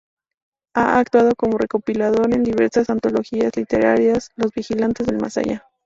Ha actuado como recopilador en diversas antologías literarias: "Los vigilantes del más allá.